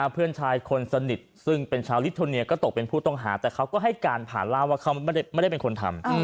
เพื่อนชายคนสนิทซึ่งเป็นชาวลิโทเนียก็ตกเป็นผู้ต้องหาแต่เขาก็ให้การผ่านเล่าว่าเขาไม่ได้เป็นคนทำ